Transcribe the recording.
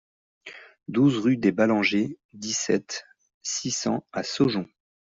douze rue des Ballangers, dix-sept, six cents à Saujon